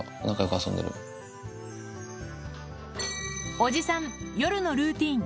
おじさん、夜のルーティン。